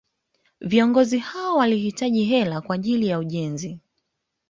Viongozi hao walihitaji hela kwa ajili ya ujenzi